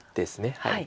はい。